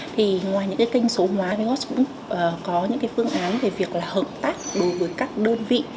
thì ngoài những kênh số hóa navigos cũng có những phương án về việc hợp tác đối với các đơn vị